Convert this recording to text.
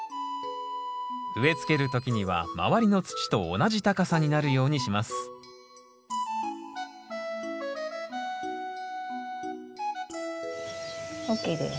植え付ける時には周りの土と同じ高さになるようにしますＯＫです。